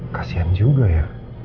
kasian juga ya